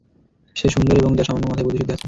যে সুন্দর এবং যার সামান্য মাথায় বুদ্ধিসুদ্ধি আছে।